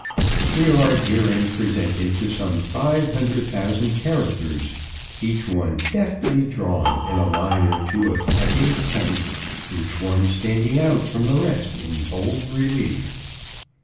We are herein presented to some five hundred thousand characters, each one deftly drawn in a line or two of agate type, each one standing out from the rest in bold relief.